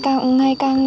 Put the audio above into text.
càng ngày càng